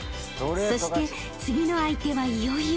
［そして次の相手はいよいよ］